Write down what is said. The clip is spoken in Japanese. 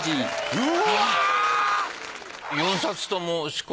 うわ。